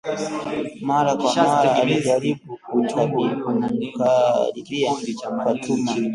Mara kwa mara, alijaribu kumkaribia Fatuma